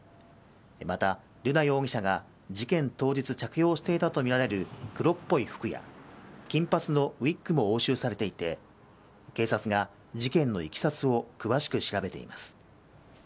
また、瑠奈容疑者が事件当日着用していたとみられる黒っぽい服や金髪のウィッグも押収されていて警察が事件のいきさつを詳しく調べています。